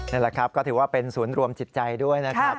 นั่นแหละครับก็ถือว่าเป็นศูนย์รวมจิตใจด้วยนะครับ